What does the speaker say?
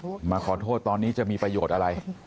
มาขอโทษตอนนี้จะมีประโยชน์อะไร